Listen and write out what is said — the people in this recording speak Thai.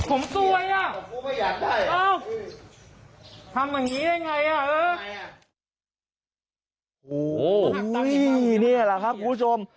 โอ้โหนี่แหละครับคุณผู้ชม